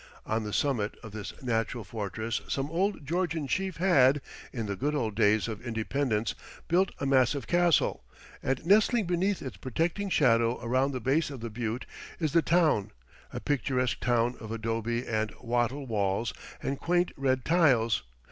On the summit of this natural fortress some old Georgian chief had, in the good old days of independence, built a massive castle, and nestling beneath its protecting shadow around the base of the butte is the town, a picturesque town of adobe and wattle walls and quaint red tiles.